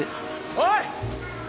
おい！